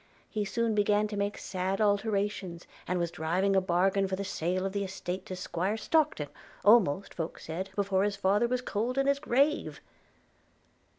– he soon began to make sad alterations, and was driving a bargain for the sale of the estate to 'Squire Stockton, almost, folks said, before his father was cold in his grave.'